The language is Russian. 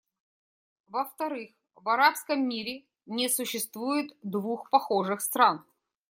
Во-вторых, в арабском мире не существует двух похожих стран.